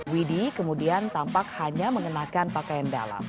widhi kemudian tampak hanya mengenakan pakaian dalam